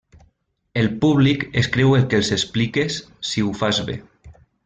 El públic es creu el que els expliques si ho fas bé.